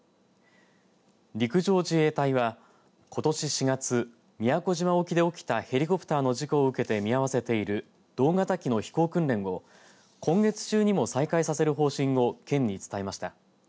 陸上自衛隊はことし４月、宮古島沖で起きたヘリコプターの事故を受けて見合わせている同型機の飛行訓練を今月中にも再開させる方針を県に伝えました。